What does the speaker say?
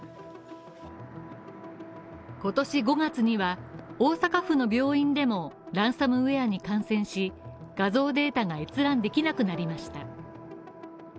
今年５月には大阪府の病院でもランサムウェアに感染し画像データが閲覧できなくなりました